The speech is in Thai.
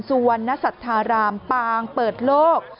สุวรรณสัทธารามปางเปิดโลก